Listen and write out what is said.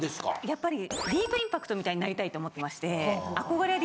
やっぱりディープインパクトみたいになりたいと思ってまして。